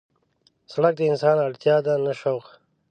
سړک د انسان اړتیا ده نه شوق.